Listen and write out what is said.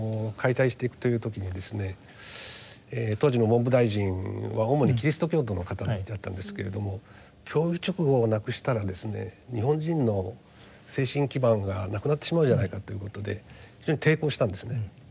当時の文部大臣は主にキリスト教徒の方たちだったんですけれども教育勅語をなくしたら日本人の精神基盤が無くなってしまうじゃないかということで非常に抵抗したんですね。